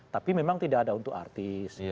tapi memang tidak ada untuk artis